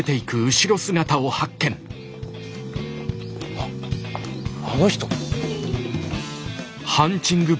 あっあの人。